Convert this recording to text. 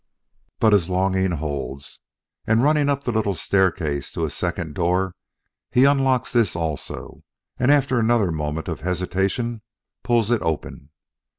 "But his longing holds, and running up the little staircase to a second door, he unlocks this also and after another moment of hesitation pulls it open.